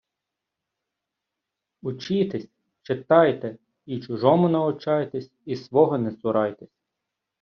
Учітесь, читайте, і чужому научайтесь, й свого не цурайтесь